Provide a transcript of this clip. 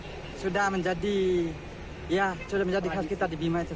tidak takut sudah menjadi khas kita di bima itu